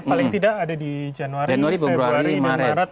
paling tidak ada di januari februari dan maret